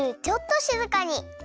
ちょっとしずかに。